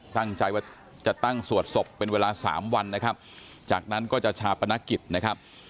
ตั้งใจว่าจะตั้งสวดศพเป็นเวลาสามวันนะครับจากนั้นก็จะชาปนกิจนะครับ